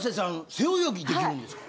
背泳ぎ出来るんですか？